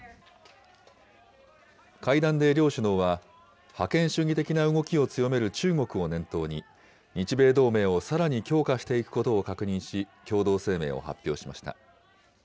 会談で両首脳は、覇権主義的な動きを強める中国を念頭に、日米同盟をさらに強化していくことを確認し、共同声明を発表しました。